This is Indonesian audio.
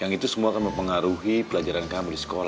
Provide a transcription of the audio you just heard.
yang itu semua akan mempengaruhi pelajaran kami di sekolah